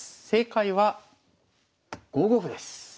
正解は５五歩です。